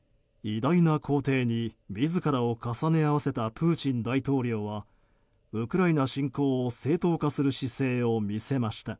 偉大な皇帝に自らを重ね合わせたプーチン大統領はウクライナ侵攻を正当化する姿勢を見せました。